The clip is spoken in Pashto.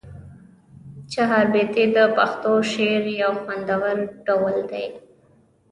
چهاربیتې د پښتو شعر یو خوندور ډول دی.